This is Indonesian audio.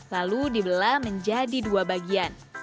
lalu dibelah menjadi dua bagian